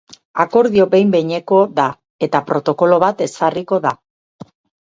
Akordio behin-behineko da eta protokolo bat ezarriko da.